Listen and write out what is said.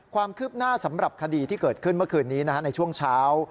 ความคืบหน้าสำหรับคดีที่เกิดขึ้นเมื่อคืนนี้ในช่วงเช้า